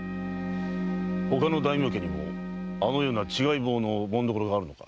他の大名家にもあのような「違い棒」の紋所があるのか？